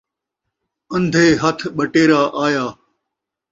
اندھے ہتھ ٻٹیرا آیا